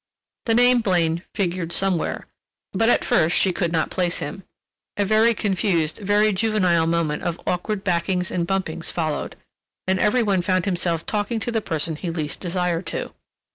The name Blaine figured somewhere, but at first she could not place him. A very confused, very juvenile moment of awkward backings and bumpings followed, and every one found himself talking to the person he least desired to.